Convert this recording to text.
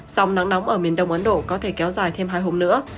dòng nắng nóng ở miền đông ấn độ có thể kéo dài thêm hai hôm nữa